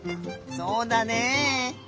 そうだね。